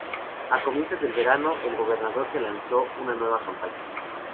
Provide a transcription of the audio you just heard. A comienzos del verano, el gobernador se lanzó a una nueva campaña.